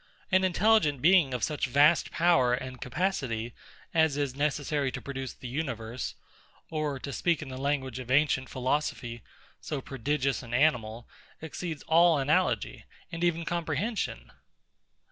An intelligent being of such vast power and capacity as is necessary to produce the universe, or, to speak in the language of ancient philosophy, so prodigious an animal exceeds all analogy, and even comprehension.